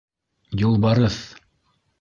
ЮЛБАРЫҪ!